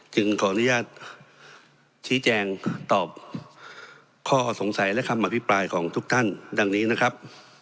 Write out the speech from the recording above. ขออนุญาตชี้แจงตอบข้อสงสัยและคำอภิปรายของทุกท่านดังนี้นะครับ